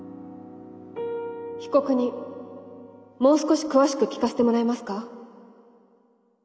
被告人もう少し詳しく聞かせてもらえますか？